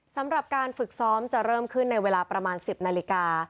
สำหรับการฝึกซ้อมจะเริ่มขึ้นในเวลาประมาณ๑๐นาฬิกา